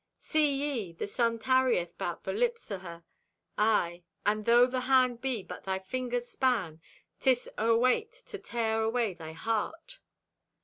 "See ye! The sun tarrieth 'bout the lips o' her; aye, and though the hand be but thy finger's span, 'tis o' a weight to tear away thy heart."